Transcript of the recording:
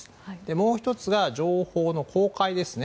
もう１つが情報の公開ですね。